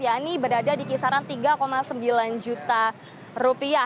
yakni berada di kisaran rp tiga sembilan juta